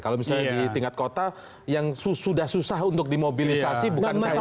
kalau misalnya di tingkat kota yang sudah susah untuk dimobilisasi bukan masalah